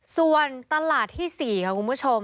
ส่วนตลาดที่๔ค่ะคุณผู้ชม